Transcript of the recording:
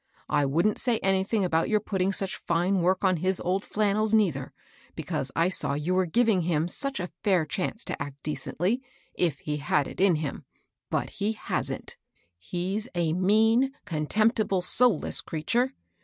I wouldn't say anything about your putting such fine work on his old flannels, neitiier, because I saw you were giving him such a &ir chance to act decently, if he had it in him. But he hasn't. He's a mean, contemptible, soulless creature!